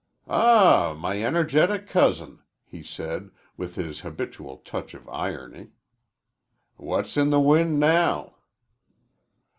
"Ah, my energetic cousin," he said, with his habitual touch of irony. "What's in the wind now?"